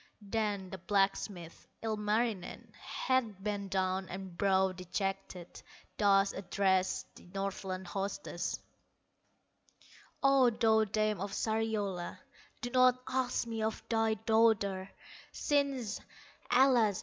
Then the blacksmith, Ilmarinen, Head bent down and brow dejected, Thus addressed the Northland hostess: "O, thou dame of Sariola, Do not ask me of thy daughter, Since, alas!